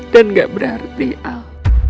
dan gak berarti al